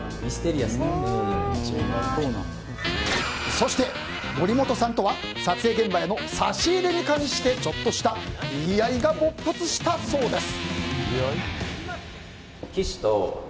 そして、森本さんとは撮影現場への差し入れに関してちょっとした言い合いが勃発したそうです。